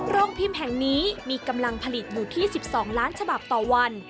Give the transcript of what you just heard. โรงพิมพ์แห่งนี้มีกำลังผลิตอยู่ที่๑๒ล้านฉบับต่อวัน